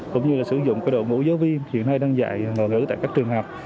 cũng như là sử dụng đội ngũ giáo viên hiện nay đang dạy ngoại ngữ tại các trường học